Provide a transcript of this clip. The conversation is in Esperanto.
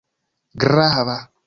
grava